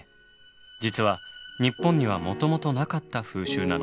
実は日本にはもともとなかった風習なのです。